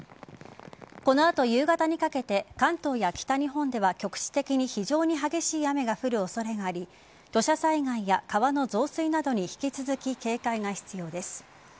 この後夕方にかけて関東や北日本では局地的に非常に激しい雨が降る恐れがあり土砂災害や川の増水などに引き続き警戒が必要です。